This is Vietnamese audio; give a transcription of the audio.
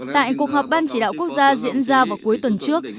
tại cuộc họp ban chỉ đạo quốc gia diễn ra vào cuối tuần trước